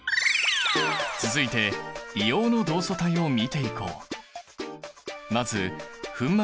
続いて硫黄の同素体を見ていこう。